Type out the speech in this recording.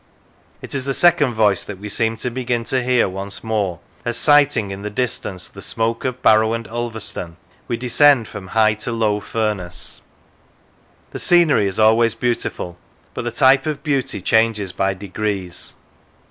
It is the second voice that we seem to begin to hear once more, as, sighting in the distance the smoke of Barrow and Ulverston, we descend from High to Low Furness. The scenery is always beauti ful, but the type of beauty changes by degrees.